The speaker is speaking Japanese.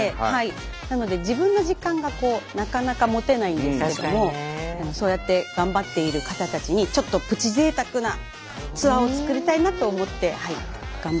なので自分の時間がなかなか持てないんですけれどもそうやってがんばっている方たちにちょっとプチ贅沢なツアーを作りたいなと思ってがんばらせていただきました。